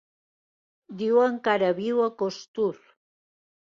Diuen que ara viu a Costur.